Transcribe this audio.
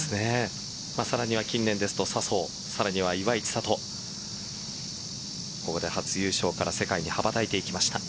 さらには近年ですと笹生さらに岩井千怜ここで初優勝から世界に羽ばたいていきました。